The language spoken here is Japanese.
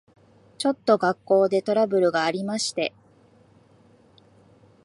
ちょっと学校でトラブルがありまして。